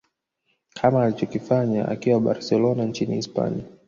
kama alivyofanya akiwa barcelona nchini hispania